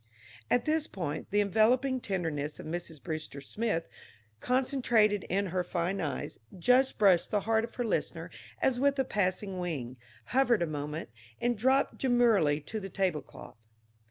At this point the enveloping tenderness of Mrs. Brewster Smith concentrated in her fine eyes, just brushed the heart of her listener as with a passing wing, hovered a moment, and dropped demurely to the tablecloth.